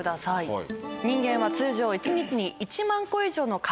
はい。